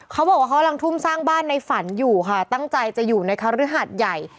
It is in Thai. เขาบอกว่าเขากำลังทุ่มสร้างบ้านในฝันอยู่ค่ะตั้งใจจะอยู่ในคฤหาสใหญ่